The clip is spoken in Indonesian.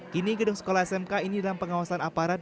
kini gedung sekolah smk ini dalam pengawasan aparat